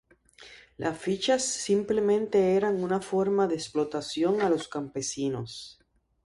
Las fichas simplemente eran una forma de explotación a los campesinos.